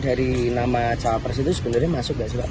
dari nama cawapers itu sebenarnya masuk nggak sih